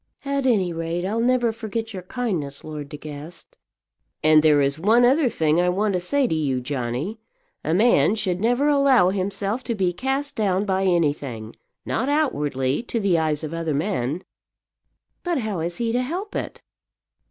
"At any rate I'll never forget your kindness, Lord De Guest." "And there is one other thing I want to say to you, Johnny. A man should never allow himself to be cast down by anything, not outwardly, to the eyes of other men." "But how is he to help it?"